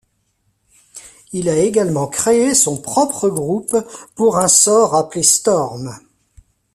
Il a également créé son propre groupe pour un sort appelé Storm.